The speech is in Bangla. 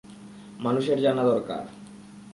মানুষের জানা দরকার!